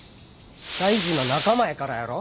大事な仲間やからやろ！